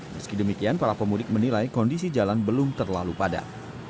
meski demikian para pemudik menilai kondisi jalan belum terlalu padat